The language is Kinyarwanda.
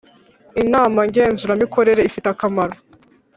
inama ngenzuramikorere ifite akamaro